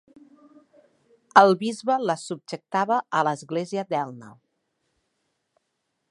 El bisbe les subjectava a l'Església d'Elna.